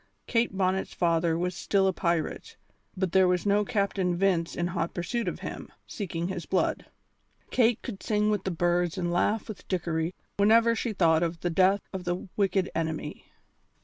Kate Bonnet's father was still a pirate, but there was no Captain Vince in hot pursuit of him, seeking his blood. Kate could sing with the birds and laugh with Dickory whenever she thought of the death of the wicked enemy.